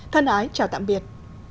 thân ái chào tạm biệt